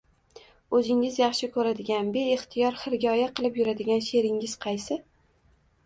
– O‘zingiz yaxshi ko‘radigan, beixtiyor xirgoyi qilib yuradigan she’ringiz qaysi?